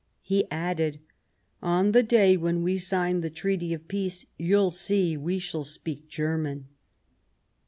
He added : "On the day when we sign the Treaty of Peace, you'll see we shall speak German."